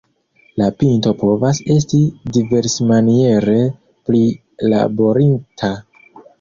La pinto povas esti diversmaniere prilaborita.